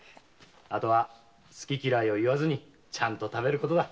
あとは好き嫌いを言わずにちゃんと食べることだ。